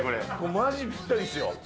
まじぴったりですよ。